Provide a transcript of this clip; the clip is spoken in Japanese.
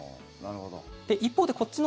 一方でこっちの。